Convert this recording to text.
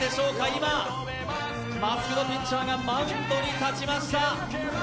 今、マスク・ド・ピッチャーがマウンドに立ちました。